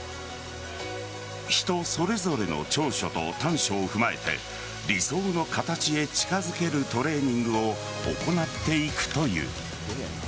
人それぞれの長所と短所を踏まえて理想の形へ近づけるトレーニングを行っていくという。